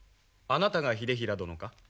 あなたが秀衡殿か？